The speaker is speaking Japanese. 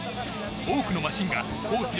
多くのマシンがコース